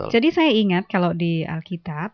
jadi saya ingat kalau di alkitab